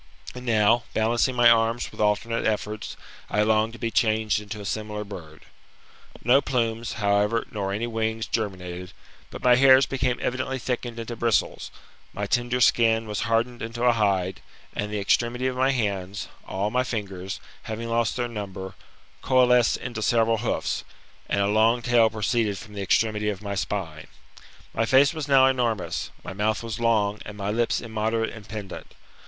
And now, balancing my arms with alternate efforts, I longed to be changed into a similar bird. No plumes, however, nor any wings germinated, but my hairs became evidently thickened into bristles, my tender skin was hardened into a hide, and the extremities of my hands, all my fingers, having lost their number, coalesced into several hoofs, and a long tail proceeded from the extremity of my spine. My face was now enormous, my mouth was long, and my lips immoderate and pendant.